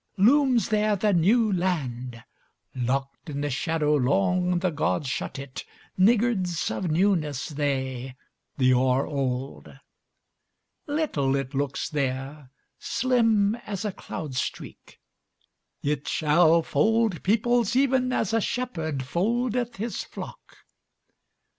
Looms there the New Land:Locked in the shadowLong the gods shut it, Niggards of newnessThey, the o'er old. Little it looks there, Slim as a cloud streak; It shall fold peoplesEven as a shepherdFoldeth his flock.